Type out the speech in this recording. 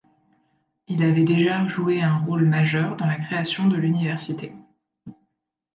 Il avait déjà joué un rôle majeur dans la création de l'université.